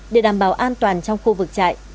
để đảm bảo an toàn trong khu vực trại